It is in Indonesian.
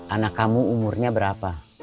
anak kamu umurnya berapa